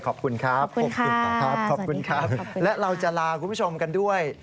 ขอบคุณครับขอบคุณครับขอบคุณครับและเราจะลาคุณผู้ชมกันด้วย